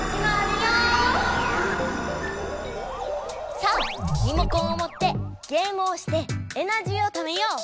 さあリモコンをもってゲームをしてエナジーをためよう！